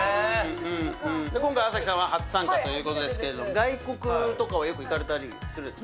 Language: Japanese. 今回、朝日さんは初参加ということですけれども、外国とかはよく行かれたりするんですか。